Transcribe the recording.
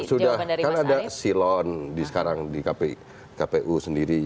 sudah kan ada silon sekarang di kpu sendiri